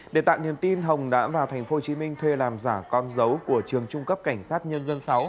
để tạo niềm tin hồng đã vào tp hcm thuê làm giả con dấu của trường trung cấp cảnh sát nhân dân sáu